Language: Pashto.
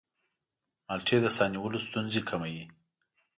مالټې د ساه نیولو ستونزې کموي.